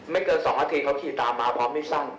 เกิน๒นาทีเขาขี่ตามมาพร้อมไม่สั้น